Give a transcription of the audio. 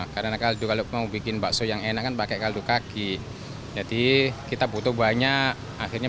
karena kaldu kalau mau bikin bakso yang enakan pakai kaldu kaki jadi kita butuh banyak akhirnya